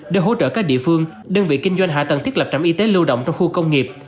để hỗ trợ các địa phương đơn vị kinh doanh hạ tầng thiết lập trạm y tế lưu động trong khu công nghiệp